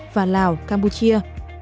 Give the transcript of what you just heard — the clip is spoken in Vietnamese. và lào campuchia